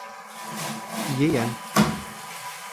Ейән.